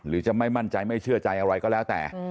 จะไม่มั่นใจไม่เชื่อใจอะไรก็แล้วแต่